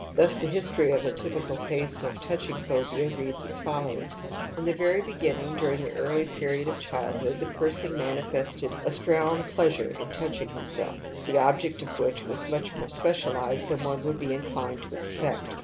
Thus the history of a typical case of touching phobia reads as follows : In the very beginning, during the early period of childhood, the person mani THE AMBIVALENCE OF EMOTIONS 49 fested a strong pleasure in touching himself, the object of which was much more specialized than one would be inclined to suspect.